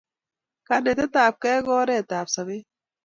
Kanetet ab kei ko oret ab sobet